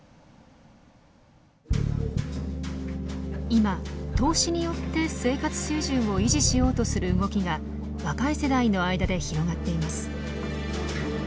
今投資によって生活水準を維持しようとする動きが若い世代の間で広がっています。